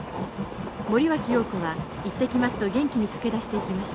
森脇瑤子は行ってきますと元気に駆け出していきました。